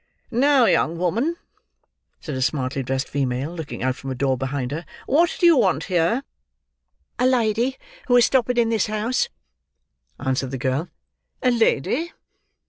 "Now, young woman!" said a smartly dressed female, looking out from a door behind her, "who do you want here?" "A lady who is stopping in this house," answered the girl. "A lady!"